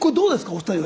お二人は。